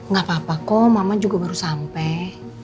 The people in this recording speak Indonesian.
gak apa apa kok mama juga baru sampai